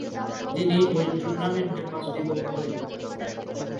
তিনি ওই টুর্নামেন্টে পাঁচটি গোল করে।